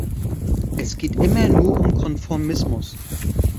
Es geht immer nur um Konformismus.